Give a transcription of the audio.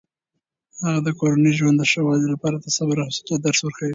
هغه د کورني ژوند د ښه والي لپاره د صبر او حوصلې درس ورکوي.